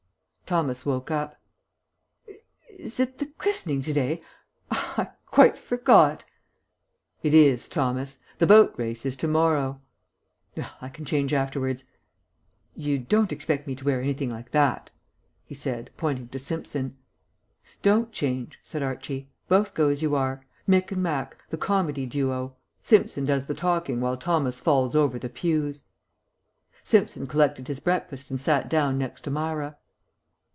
Thomas woke up. "Is it the christening to day? I quite forgot." "It is, Thomas. The boat race is to morrow." "Well, I can change afterwards. You don't expect me to wear anything like that?" he said, pointing to Simpson. "Don't change," said Archie. "Both go as you are. Mick and Mack, the Comedy Duo. Simpson does the talking while Thomas falls over the pews." Simpson collected his breakfast and sat down next to Myra.